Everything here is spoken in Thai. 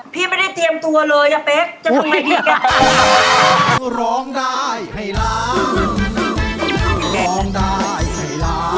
พี่ไม่ได้เตรียมตัวเลยอ่ะเป๊กจะทำไมเลือก